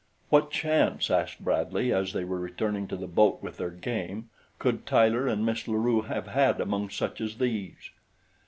"What chance," asked Bradley, as they were returning to the boat with their game, "could Tyler and Miss La Rue have had among such as these?"